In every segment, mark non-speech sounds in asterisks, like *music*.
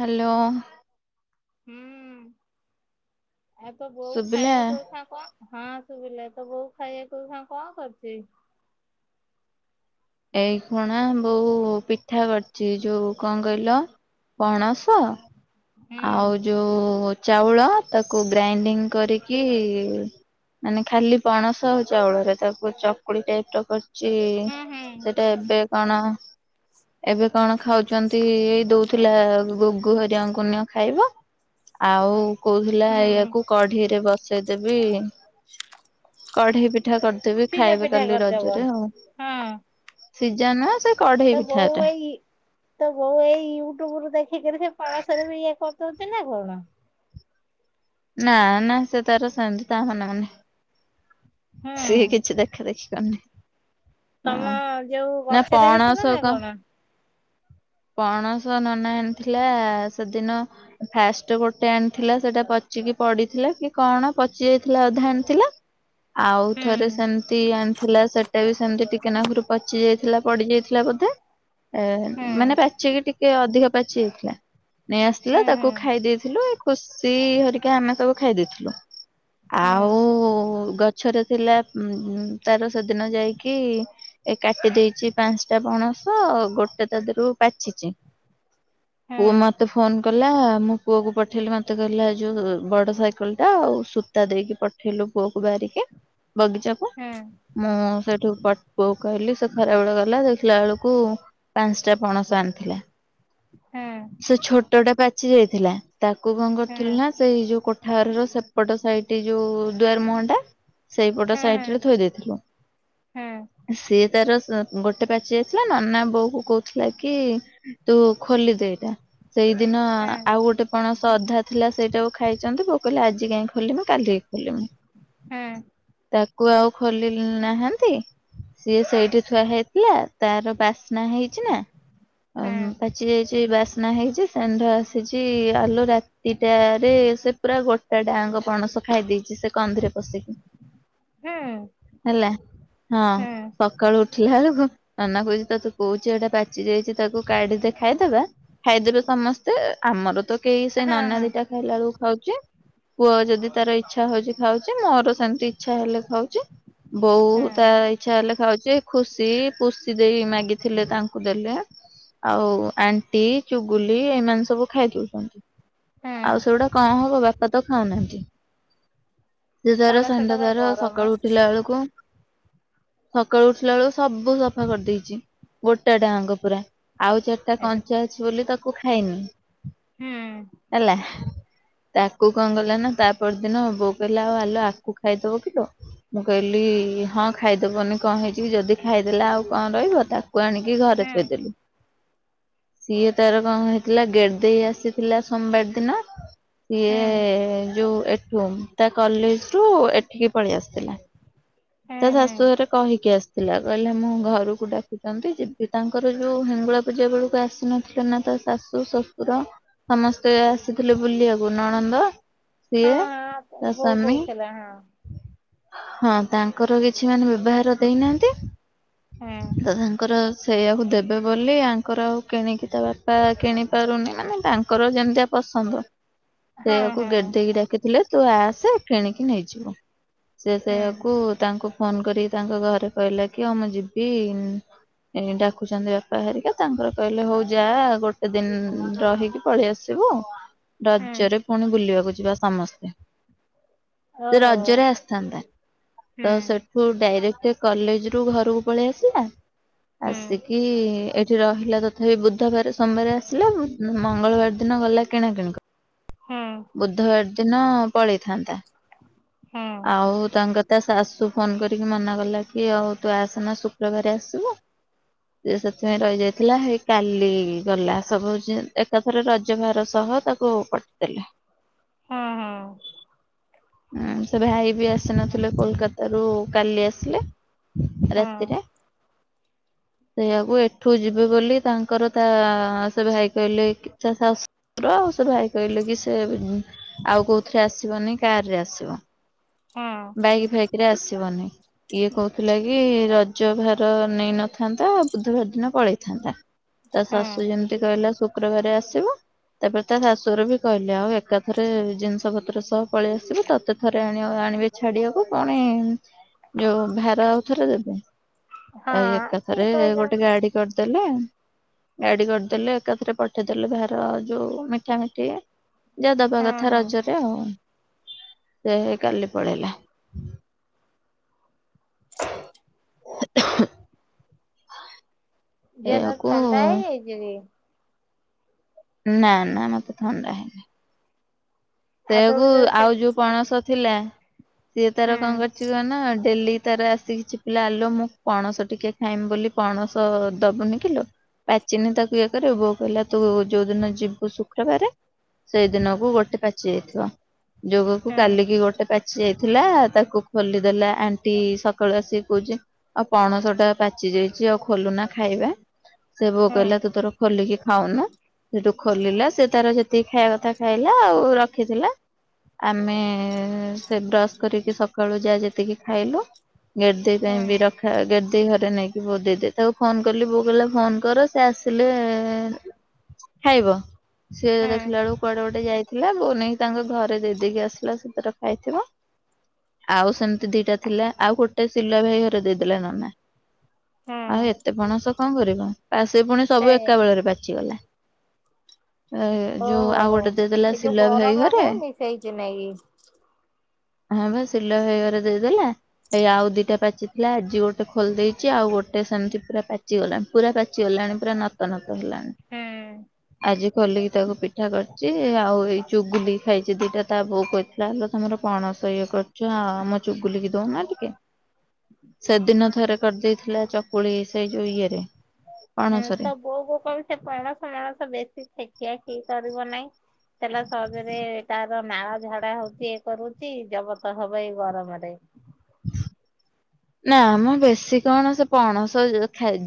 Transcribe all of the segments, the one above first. Hello. ହୁଁ ଆଉ ତୋ ବୋଉ ଶୁଭିଲା? ଖାଇବା ଖାଇଆକୁ ଏଇଖିଣା କଁ ହଁ ଶୁଭିଲା ତ ବୋଉ ଖାଇବାକୁ ଏଇଖିଣା କଁ କରିଛି। ଏଇ ଖୁଣା ବୋଉ ପିଠା କରଛି ଯୋଉ କଁ କହିଲ ପଣସ। ହୁଁ ଆଉ ଯୋଉ ଚାଉଳ ତାକୁ ଗ୍ରାଇଣ୍ଡିଙ୍ଗ କରିକି। ମାନେ ଖାଲି ପଣସ ଆଉ ଚାଉଳରେ ତାକୁ ଚକୁଳି ଟାଇପ ର କରି ଚି ହୁଁ ହୁଁ ସେଟା ଏବେ କଣ ଏବେ କଣ ଖାଉଛନ୍ତି ଏଇ ଦଉ ଥିଲା ଗୁଗୁ ଘରିଆ ଙ୍କୁ ନିଅ ଖାଇବ ଆଉ କହୁଥିଲା ହୁଁ ଏହାକୁ କଢି ଢେଇ ରେ ବସେଇଦେବି କଢେଇ ପିଠା କରି। କରିଦେବି ସିଜା ଖାଇବେ ପିଠା କାଲି କରିଦବ। ରଜରେ ଆଉ ହଁ ସିଝା ନୁହଁ ସେ। କଢେଇ ତୋ ପିଠା ବୋଉ ଟା। ଏଇ। ତୋଉ ଏଇ ୟୁଟ୍ୟୁବ ରୁ ଦେଖିକିରି ସେ ପଣଶ ରେ ବି ଇଏ କରିଦଉଛି ନା କଣ। ନା ନା ସେ ତାର ସେମତି ତା ମନେ ମନେ ହୁଁ ସିଏ କିଛି ଦେଖା ଦେଖି। କରିନି ତମ ହଁ ଯୋଉ ନା ଗଛରେ ହେଇଥିଲା ପଣସ ନା କଁ। କଣ? ପଣସ ନନା ଆଣି ଥିଲା ସେଦିନ। ଫାଷ୍ଟ ଗୋଟେ ଆଣିଥିଲା ସେଇଟା ପଚିକି ପଡିଥିଲା କି କଣ ପଚି ଯାଇଥିଲା ଅଧା ଆଣିଥିଲା। ଆଉ ହୁଁ ଥରେ ସେମିତି ଆଣିଥିଲା ସେଟା ବି ସେମିତି ଟିକେ ନାକୁରୁ ପଚିଯାଇ। ଥିଲା ପଡି ଯାଇଥିଲା ବୋଧେ ଏ ହୁଁ ମାନେ ପାଚିକି ଟିକେ ଅଧିକ ପାଚି ଯାଇଥିଲା। ନେଇ ଆସିଥିଲା ହୁଁ ହୁଁ ତାକୁ ଖାଇ ଦେଇେଇଥିଲୁ ଖୁସି ଘରିକି ଆମେ ସବୁ ଖାଇ ଦେଇଥିଲୁ। ଆଉ ହୁଁ ଗଛରେ ଥିଲା ଉଁ ଉଁ ତାର ସେଦିନ ଯାଇକି। ଏ କାଟି ଦେଇଛି ପାଞ୍ଚଟା ପଣସ ଆଉ ଗୋଟେ ତା ଦେହରୁ। ପାଚିଛି ପୁଅ ହୁଁ ମତେ ଫୋନ କଲା ମୁଁ। ପୁଅକୁ ପଠେଇଲି ମତେ କହିଲା ଯୋଉ ବଡ ସାଇକେଲ ଟା ଆଉ ସୂତା ଦେଇକି ପଠେଇଲୁ ପୁଅକୁ ବାହାରିକି। ବଗିଚା କୁ। ହୁଁ। ମୁଁ ସେଠୁ ପଟ ପୁଅ କହିଲି ସେ ଖରାବେଳେ ଗଲା ଦେଖିଲା ବେଳକୁ ପାଞ୍ଚଟା। ପଣସ ଆଣିଥିଲା ହୁଁ ସେ ଛୋଟ ଟା ପାଚି ଯାଇଥିଲା। ତାକୁ କଁ କରୁଥିଲି ହୁଁ ନା ସେଇ ଯୋଉ କୋଠା ଘର ର ସେପଟ ସାଇଡ ଟି ଯୋଉ ଦୁଆର ମୁହଁ ଟା। ସେଇପଟ ହୁଁ ହୁଁ ହୁଁ ସାଇଟ ରେ ଥୋଇ ଦେଇଥିଲୁ। ସିଏ ତାର ସ ଅ ଗୋଟେ ପାଚି ଯାଇ ଥିଲା ନନା ବୋଉ କୁ କହୁ ଥିଲା କି ତୁ ଖୋଲିଦେ ଏଇଟା ସେଇଦିନ ହୁଁ ହୁଁ ହୁଁ ହୁଁ ଆଉ ଗୋଟେ। ଆପଣ ସଧା ଥିଲା ସେଇଟାକୁୁ ଖାଇଛନ୍ତି ବୋଉ କହିଲା ଆଜି କାହିଁ ଖୋଲିମୁ କାଲିି କି ଖୋଲିମୁ। ହୁଁ। ତାକୁ ଆଉ ଖୋଲି ଲ ନାହାନ୍ତି। ସିଏ ସେଇଠି ଥୁଆ ହେଇଥିଲା ତାର ବାସ୍ନା ହେଇଛି ନା। ଆ ପାଚି ଯାଇଛି ବାସ୍ନା ହେଇଛି ଷେଣ୍ଡ ଆସିଛି ଆଲୋ ରା ତି ଟା ରେ ସେ ପୁରା ଗୋଟା ଟା ଆଙ୍କ ପଣସ ଖାଇ ଦେଇଛି ସେ କନ୍ଧିରେ ପଶିକି। ହୁଁ। ହେଲା ହଁ ସକାଳୁ ଉଠିଲା ବେଳକୁ ନନା କହୁଛି ତ ତେ କହୁଛି। ଯୋଉଟା ପାଚି ଯାଇଛି ତାକୁ କାଢିଦେ ଖାଇଦେବା ଖାଇଦେବେ ସମସ୍ତେ ଆମର ତ କେହି ସେ ହଁ ନାନା ହଁ ଦିଟା ଖାଇଲାଳ କୁ ଖାଉଚି। ପୁଅ ଯଦି ତାର ଇଛା ହଉଛି ଖାଉଛି ମୋର ସେମିତି ଇଚ୍ଛା ହେଲେ ଖାଉଚି। ବହୁ ତା ହୁଁ ଇଛା ହେଲେ ଖାଉଛି ଖୁସି ପୁସି ଦେଇ ମାଗି ଥିଲେ ତାଙ୍କୁ ଦେଲେ। ଆଉ ଆଣ୍ଟି ଚୁଗୁଲି ଏଇମାନେ ସବୁ ଖାଇ ଦଉଛନ୍ତି। ଆଉ ହୁଁ ସେଉଡା କଣ ହବ ବାପା ତ ଖାଉନାହାନ୍ତି। ସେ ତାର ପଣସ ଟା ସନ୍ଧ୍ୟା ବା ତାର ଗରମ ସକାଳୁ ଉଠିଲା ବେଳକୁ ସକାଳୁ ଉଠିଲା ବେଳକୁ ସବୁ ସଫା କରିଦେଇଚି। ଗୋଟାଟା ଆଙ୍କ ପୁରା, ଆଉ ଚାରିଟା ଏଠି କଞ୍ଚା ଅଛି ବୋଲି ତାକୁ ଖାଇନୁ। ହୁଁ। ହେଲା। ତାକୁ କଁ ଗଲା ନା ତା ପରଦିନ ବୋଉ କହିଲା ଆଉ ଆଲୋ ଆକୁ ଖାଇଦବ କିଲୋ। ମୁଁ କହିଲି ହଁ ଖାଇଦବନି କଣ ହେଇଛି କି ଯଦି ଖାଇଦେଲା ଆଉ କଣ ରହିବ ତା କୁ ଆଣିକି ଘରେ ହୁଁ ଥୋଇଦେଲି। ସିଏ ତାର କଁ ହେଇଥିଲା ଗେଡିଦେଇ ଆସିଥିଲା ସୋମବାର ଦିନ ସିଏ ହୁଁ ଯୋଉ ଏଠୁ ତା କଲେଜରୁ ଏଠିକି ପଳେଇ ଆସିଥିଲା। ହୁଁ ତା ହୁଁ ଶାଶୁ ଘରେ କହିକି ଆସିଥିଲା କହିଲା ମୁଁ ଘରକୁ ଡାକିଛନ୍ତି ଯେ ତାଙ୍କର ଯୋଉ ହେଙ୍ଗୁଳା ପୂଜା ବେଳକୁ ଆସିନଥିଲେ ନା ତା ଶାଶୁ ଶଶୁର ସମସ୍ତେ ଆସିଥିଲେ ବୁଲିଆକୁ ନଣନ୍ଦ ହଁ ସିଏ। ହଁ ତା ବୋଉ ସାମୀ କହୁଥିଲା ହଁ ହଁ। ତାଙ୍କର କିଛି ମାନେ ବେବହାର ହୁଁ ଦେଇନାହାନ୍ତି ତ ତାଙ୍କର ସେଇଆକୁ ଦେବେ ବୋଲି ଆଙ୍କର ଆଉ କିଣିକି ତା ବାପା କିଣିପାରୁନି ମାନେ ତାଙ୍କର ଯେମିତିଆ ପସନ୍ଦ। ହଁ ସେୟାକୁ ହଁ ଗେଡିଦେଇକି ଡାକିଥିଲେ ତୁ ଆସେ କିଣିକି ନେଇଯିବୁ, ସେ ହୁଁ ସେୟା କୁ ତାଙ୍କୁ ଫୋନ କରିକି ତାଙ୍କ ଘରେ କହିଲା କି ହଁ ମୁଁ ଯିବି ଏ ଡାକୁଛନ୍ତି ବାପା ହେରିକା ତାଙ୍କର କହିଲେ ହଉ ଯା ଗୋଟେ ଦିନ ରହିକି ପଳେଇ ଆସ ସିବୁ ହୁଁ ରଜରେ ପୁଣି ବୁଲିବାକୁ ଯିବା ସମସ୍ତେ। ସେ ଓହୋ ରଜରେ ଆସିଥାନ୍ତା। ତ ହୁଁ ସେଠୁ ଡାଇରେକ୍ଟ କଲେଜରୁ ଘରକୁ ପଳେଇ ଆସିଲା। ହୁଁ ଆସିକି ଏଠି ରହିଲା ତଥା ତଥାବି ବୁଧବାର ସୋମବାର ଆସିଲା ମ ମଙ୍ଗଳବାର ଦିନ ଗଲା କିଣାକିଣି କରି ହୁଁ। ବୁଧବାର ଦିନ ପଳେଇଥାନ୍ତା। ହୁଁ। ଆଉ ତାଙ୍କ ତା ଶାଶୁ ଫୋନ କରିକି ମନା କଲା କି ଆଉ ତୁ ଆସେନା ଶୁକ୍ରବାର ଆସିବୁ। ସେ ସେଥିପାଇଁ ରହିଯାଇଥିଲା ହେଇ କାଲି ଗଲା ସବୁ ଏକାଥର ରଜ ଭାର ସହ ତା କୁ ପଠଦେଲେ। ହଁ ହଁ। ଉଁ ସେ ଭାଇ ବି ଆସି ନଥିଲେ କୋଲକତାରୁ କାଲି ଆସିଲେ। ହଁ ରାତିରେ। ସେଇଆକୁ ଏଠୁ ଯିବେ ବୋଲି ତାଙ୍କର ତା ସେ ଭାଇ କହିଲେ କି ତା ଶାଶ ର ସେ ଭାଇ କହିଲେ କି ସେ ଆଉ କୋଉଥିରେ ଆସିବନି। କାରରେ ଆସିବ। ହଁ। ବାଇକ ଫାଇକରେ ଆସିବନି ଇଏ କହୁଥିଲା କି ରଜ ଭାର ନେଇନଥାନ୍ତା ବୁଧବାର ଦିନ ପଳେଇଥାନ୍ତା ତା ଶାଶୁ ହଁ ଯେମିତି କହିଲା ଶୁକ୍ରବାର ଆସିବ ତାପରେ ତା ଶାଶୁୁର ବି କହିଲେ ଆଉ ଏକାଥରେ ଜିନିଷ ପତ୍ର ସହ ପଳେଇ ଆସିବେ ତତେ ଥରେ ଆଣି ଆଣିବେ ଛାଡିବାକୁ ପୁଣି ଯୋଉ ଭାର ଆଉ ଥରେ ଦେବେ ଆଉ ହଁ ଏକାଥରେ ଠିକ ଗୋଟେ କହିଛନ୍ତି ଗାଡି କରିଦେଲେ ଗାଡି କରିଦେଲେ ଏକାଥରେ ପଠେଇଦେଲେ ଭାର ଯୋଉ ମିଠା ମିଠି ଯା ଦବା ହଁ କଥା ହଁ ରଜରେ ଆଉ ସେ କାଲି ପଳେଇଲା ଝିଅ ତ ସେଇଆକୁ ଥଣ୍ଡା ହେଇଯାଇଛି କି ନା ନା ମତେ ଥଣ୍ଡା ହେଇନି ଆଉ ସେଆକୁୁ ତୋର ସେ ଆଉ ଯୋଉ ପଣସ ଥିଲା ସିଏ ତାର ହୁଁ କଣ କରିଛି କହୁନ ଡେଲି ତାର ଆସିକି ଚିପିଲା ଆଲୋ ମୁଁ ପଣସ ଟିକେ ଖାଇମି ବୋଲି ପଣସ ଦବୁନି କିଲୋ। ପାଚିନି ତାକୁ ଇଏ କରେ ବୋଉ କହିଲା ତୁ ଯୋଉଦିନ ଯିବୁ ଶୁକ୍ରବାରେ ସେଇଦିନକୁ ଗୋଟେ ପାଚି ଯାଇଥିବ। ଯୋଗକୁ ହୁଁ କାଲିକି ଗୋଟେ ପାଚି ଯାଇଥିଲା ତାକୁ ଖୋଲିଦେଲା ଆଣ୍ଟି ସକାଳୁ ଆସିକି କହୁଛି। ଆଉ ପଣସଟା ପାଚି ଯାଇଛି ଆଉ ଖୋଲୁନା ଖାଇବା ସେୟା ବୋଉ ହୁଁ କହିଲା ତୁ ତର ଖୋଲିକି ଖାଉନୁ ସେଠୁ ଖୋଲିଲା ସେ ତାର ଯେତିକି ଖାଇବା କଥା ଖାଇଲା ଆଉ ର ରଖିଥିଲା। ଆମେ ସେ ବ୍ରସ୍ କରିକି ସକାଳୁ ଯା ଯେତିକି ଖାଇଲୁ। *inaudible* କାଇ ହୁଁ ବି ରଖ। ଦେଇ ଘରେ ନେଇକି ବୋ ଦେଇଦେ ତାକୁ ଫୋନ କଲି ବୋଉ କହିଲା ଫୋନ କର ସେ ଆସିଲେ ଖାଇବ ସିଏ ହୁଁ ଦେଖିଲା ବେଳକୁ କୁଆଡେ ଗୋଟେ ଯାଇଥିଲା। ବୋଉ ନେଇକି ତାଙ୍କ ଘରେ ଦେଇ ଦେଇକି ଆସିଲା ସେଥି ଆଉ ସେମିତି ଦିଟା ଥିଲା ଆଉ ଗୋଟେ ସିଲୁଆ ଭାଇ ଘରେ ଦେଇଦେଲା ନନା। ଆଉ ହୁଁ ଏତେ ପଣସ କଣ କରିବ ପା ସେ ପୁଣି ସବୁ ସେଇଆ ଏକା ବେଳରେ ପାଚିଗଲା। ଏ ଯୋଉ ହହୋ ଆଉ ଗୋଟେ ଦେଇଦେଲା ଏ ଯୋଉ ସିଲା ଭାଇ ଗରମ ଘରେ ହଉନି ସେଇଥି ନାକି। ହଁ ବା ଶିଲୁଆ ଭାଇ ଘରେ ଦେଇଦେଲା। ଏଇ ଆଉ ଦିଟା ପାଚି ଥିଲା ଆଜି ଗୋଟେ ଖୋଲିଦେଇଛି ଆଉ ଗୋଟେ ସେମିତି ପୁରା ପାଚିଗଲା। ପୁରା ପାଚିଗଲାଣି ପୁରା ନତ ନତ ହେଲାଣି। ଆଜି ଖୋଲିକି ତାକୁ ପିଠା କରଛି ଆଉ ଏଇ ଚୁଗୁଲି ଖାଇଛି ଦିଟା ତା ବୋଉ କହିଥିଲା ହେଲେ ତମର ପଣସ ଇଏ କରୁଛ ଆ ଆମ ଚୁଗୁଲିକି ଦଉନା ଟିକେ। ସେଦିନ ଥରେ କରିଦେଇଥିଲା ଚକୁଳି ସେଇ ଯଉ ଇଏରେ। ହୁଁ ପଣସରେ। ତ ବୋଉ ବୋଉ କହୁ ସେ ପଣସ ମଣସ ବେଶୀ ଖିଆ କି କରିବ ନାହିଁ। ହେଲା ସହଜରେ ତାର ନାଳ ଝାଡା ହଉଛି ଇ କରୁଛି ଜବତ ହବ ଏଇ ଗରମରେ। *inaudible* ନା ମ ବେଶୀ କଣ ସେ ପଣସ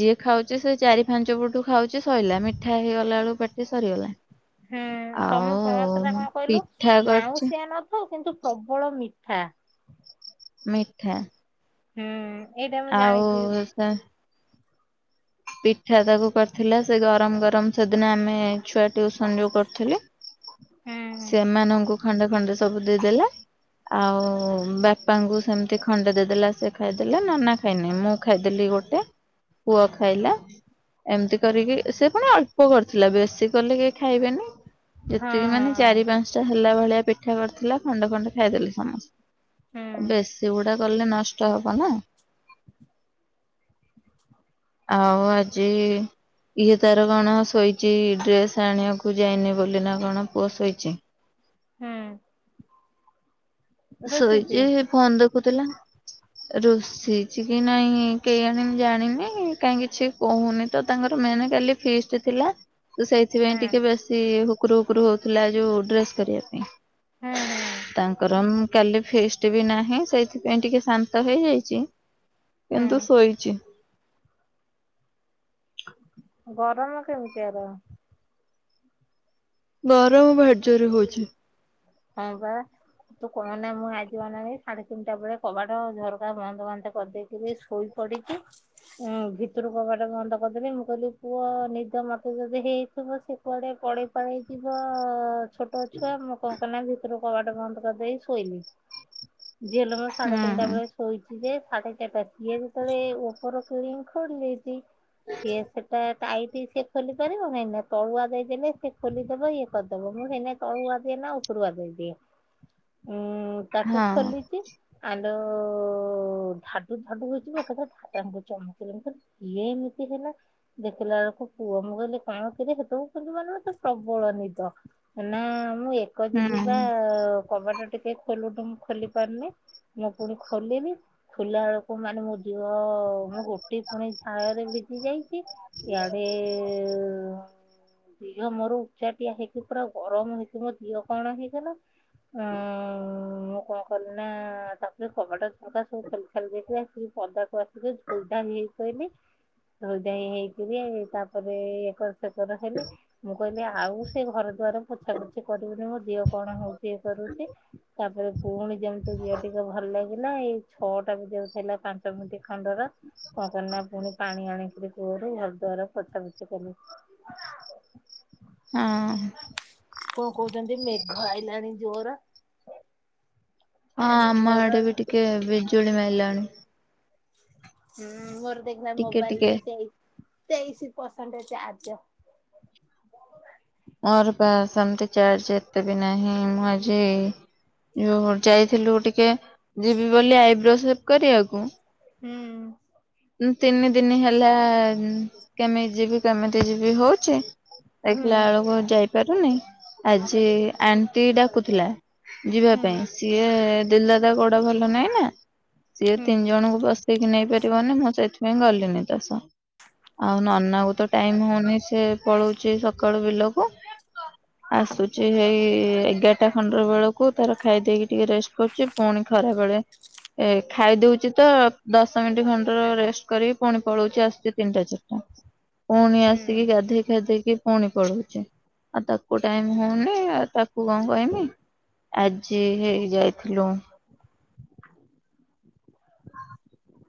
ଯିଏ ଖାଉଛି ସେ ଚାରି ଫାଞ୍ଚ ପଟୁ ଖାଉଛି ଶଇଲା ମିଠା ହେଇଗଲା ବେଳୁ ପେ ହୁଁ ତମ ପଣସଟା ଆଉ କଣ କହିଲୁ ପିଠା କରିଛି ମାଉଁସିଆନ ହଉ କିନ୍ତୁ ପ୍ରବଳ ମିଠା। ମିଠା। ହୁଁ ଏଇଟା ମୁଁ ଆଉ ଜାଣିଛି। ସେ ପିଠା ତାକୁ କରିଥିଲ ସେ ଗରମ ଗରମ ସେଦିନ ଆମେ ଛୁଆ ଟିଉସନ ଯୋଉ କରୁଥିଲି ସେମାନଙ୍କୁ ଖଣ୍ଡେ ଖଣ୍ଡେ ସବୁ ଦେଇଦେଲା। ଆଉ ବାପାଙ୍କୁ ସେମତି ଖଣ୍ଡେ ଦେଇଦେଲା ସେ ଖାଇଦେଲା। ନନା ଖାଇନି ମୁଁ ଖାଇଦେଲି ଗୋଟେ ପୁଅ ଖାଇଲା ଏମିତି କରିକି ସେ ଫୁଣି ଅଳ୍ପ କରିଥିଲା ବେଶୀ କଲେ କେହି ଖାଇବେନି। ହଁ ଯେତିକି ହଁ ମାନେ ଚାରି ପାଞ୍ଚଟା ହେଲା ଭଳିଆ ପିଠା କରିଥିଲା ଖଣ୍ଡେ ଖଣ୍ଡେ ଖାଇଦେଲେ ହୁଁ ସମ ବେଶୀ ଗୁଡା କଲେ ନଷ୍ଟ ହବ ନା। *inaudible* ଆଉ ଆଜି ଇଏ ତାର କଣ ଶୋଇ ଚି ଡ୍ରେସ୍ ଆଣିବାକୁ ଯାଇନି ବୋଲି ନା କଣ ପୁଅ ଶୋଇଚି। ହୁଁ। ରୁଷିଛି ଶୋଇଚି ହେ ଫୋନ୍ ଦେଖୁଥିଲା। ରୁଷିଚି କି ନାଇଁ କେଇଆଣି ମୁଁ ଜାଣିନି କାଇଁ କିଛି କୋହୁନି ତ ତାଙ୍କର ମେନ କାଲି ଫିଷ୍ଟ ଥିଲା। ତ ସେଇଥିପାଇଁ ହୁଁ। ଟିକେ ବେଶି ହୁକୁରୁ ହୁକୁରୁ ହୋଉଥିଲା ଯୋଉ ଡ୍ରେସ କରିବା ହୁଁ ପାଇଁ। ହୁଁ ତାଙ୍କର ଉଁ କାଲି ଫିଷ୍ଟ ବି ନାହିଁ। ସେ ସେଥିପାଇଁ ଟିକେ ଶାନ୍ତ ହେଇଯାଇଚି ହୁଁ କିନ୍ତୁ ଶୋଇଚି। ଗରଳ କେମିତି ଆର? ଗରମ ଭାରି ଯୋରେ ହୋଉଚି। ହଁ ପା। ତୁ କହନା ମୁଁ ଆଜି ଅନାନି ସାଢେ ତିନିଟା ବେଳେ କବାଟ ଝରକା ବନ୍ଦ ବାନ୍ଦ କରିଦେଇଥିଲି ଶୋଇ ପଡିକି ଉଁ ଭିତରୁ କବାଟା ବନ୍ଦ କରିଦେବି। ମୁଁ କହିଲି ପୁଅ ନିଦ ମତେ ଯଦି ହେଇଥିବ ସେ କୁଆଡେ ପଳେଇ ପାଳେଇ ଯିବ ଛୋଟ ଛୁଆ ମୁଁ କଣ କଲି ନା ଭିତରୁ କବାଟ ବନ୍ଦ କରିଦେଇ ଶୋଇଲି। ଝିଅଲୋ ସାଢେ ହୁଁ ତିନିଟା ବେଳେ ଶୋଇଚି ଯେ ସାଢେ ଚାରିଟା ସିଏ ଯେତେବେଳେ ଉପର କିଳିଙ୍ଗ ଖୋଲି ଦେଇଚି। ସିଏ ସେଟା ଟାଇଟି ସେ ଖୋଲି ପାରିବ ନାଇଁ ନା ତଳୁଆ ଦେଇଦେଲେ ସେ ଖୋଲିଦବ ଇଏ କରିଦେବ। ମୁଁ ସେଇନାଗି ତଳୁଆ ଦିଏ ନା ଉପରୁଆ ଦେଇଦିଏ। ଉଁ ତାକୁ ହଁ ହୁଁ ଖୋଲିଚି। ଆଲୋ ଧାଡୁ ଧାଡୁ ହୋଉଚି। ମୁଁ ଏକା ଥରେ ଧାଡାନ କି ଚମକିଲି। ମୁଁ କ କିଏ ଏମିତି ହେଲା। ଦେଖିଲା ବେଳକୁ ପୁଅ। ମୁଁ କହିଲି କଣ କିରେ ସେତବେଳେକୁ କିନ୍ତୁ ମାନେ ମତେ ପ୍ରବଳ ନିଦ। ନା ମୁଁ ଏକ ଯିବି ପା ହଁ କବାଟା ଟିକେ ଖୋଲୁନୁ। ମୁଁ ଖୋଲି ପାରୁନି ମୁଁ ଫୁଣି ଖୋଲିଲି ଖୋଲା ବେଳକୁ ମାନେ ମୁଁ ଝିଅ ମୁଁ ଗୋଟି ପଣି ଝାଳରେ ଭିଜି ଯାଇଚି। ଇଆଡେ ଦିହ ମୋର ଉଚ୍ଚାଟିଆ ହେଇକି ପୁରା ଗରମ ହେଇକି ମୋ ଦିହ କଣ ହେଇଗଲା। ଉଁ ମୁଁ କଣ କଲିି ନା ତାପରେ କବାଟ କବାଟ ସବୁ ଖୋଲି ଖାଲି ଦେଇକି ଆସିକି ପଦାକୁ ଆସିକି ଧୋଇ ଧାଇ ହେଇ ପଇଲି। ଧୋଇ ଧାଇ ହେଇକି ତାପରେ ଇଏ କରି ସେ ଥର ହେଲି ମୁଁ କହିଲି ଆଉ ସେ ଘର ଦୁଆାର ପୋଛା ପୋଛି କରିବୁନି ମୋ ଦେହ କଣ ହୋଉଚି। ଇଏ କରୁଚି ତାପରେ ଫୁଣି ଯେମିତି ଦିହ ଟିକେ ଭଲ ଲା ଗିଲା ଏଇ ଛଅଟା ବାଜିବାକୁ ଥିଲା ପାଞ୍ଚ ମିନିଟ ଖଣ୍ଡର କଣ କଲି ନା ଫୁଣି ପାଣି ଆଣିକିରି ଫୁଣି ଘର ଦ୍ଵାର ପୋଛା ପୋଛି କଲି। ହଁ। କଣ କୋହୁଚନ୍ତି ମେଘ ଆଇଲାଣି ଜୋର। ଏଣୁ ମୋର ଯୋ ଇଏ ବିଜୁଳି ମାଇଲାଣି। ହୁଁ ମୋର ଦେଖିଆ ରେ ଟିକେ ଟିକେ ମୋବାଇଲିରେ ସେଇ ତେଇଶି ପରସେଣ୍ଟ ଚାର୍ଜ। ମୋର ବା ସେମିତି ଚାର୍ଜ ଏତେ ବି ନାହିଁ ମୁ ଆଜି ଯୁ ଯାଇଥିଲୁ ଟିକେ ଯିବି ବୋଲି ଆଇବ୍ରୋ ସେପ କରିବାକୁ। ହୁଁ ତିନି ଦିନ ହେଲା କେମିତି ଯିବି କେମିତି ଯିବି ହଉଛି ହୁଁ ଦେଖିଲା ବେଳକୁ ଯାଇପା ପାରୁନି ଆଜି ଆଣ୍ଟି ଡାକୁଥିଲା ଯିବା ହୁଁ ପାଇଁ। ସିଏ ଦେଲା ତା ଗୋଡ ଭଲ ନହିଁ ନା। ସିଏ ହୁଁ ତିନି ଜଣଙ୍କୁ ବସେଇକି ନେଇ ପାରିବନି ମୁଁ ସେଇଠୁ ପାଇଁ ଗଲିନି ତା ସହ ଆଉ ନନା କୁ ତ ଟାଇମ ହଉନି ସେ ପଳଉଛି ସ କାଳୁ ବିଲକୁ ଆସୁଛି ଏଇ ଏଗାରଟା। ଖଣ୍ଡ ବେଳକୁ ତାର ଖାଇଦେଇକି ଟିକେ ରେଷ୍ଟ କରୁଛି ପୁଣି ଖରା ବେଳେ ଏ ଖାଇଦଉଛି ତ ଦଶ ମିନିଟ ଖଣ୍ଡର ରେଷ୍ଟ କରିକି ପୁଣି ପଳଉଛି ଆସଛି ତିନିଟା ଚାରିଟା। ପୁଣି ହୁଁ। ଆସିକି ଗାଧେଇ ଫାଧେଇକି ପୁଣି ପଳଉଛି। ଆଉ ତାକୁ ଟାଇମ ହଉନି ଆଉ ତାକୁ କଣ କହମି ଆଜି ହେଇଯାଇଥିଲୁ। ହଁ